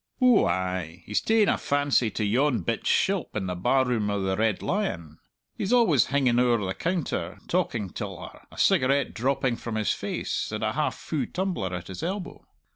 "Ou ay he's ta'en a fancy to yon bit shilp in the bar room o' the Red Lion. He's always hinging owre the counter talking till her, a cigarette dropping from his face, and a half fu' tumbler at his elbow.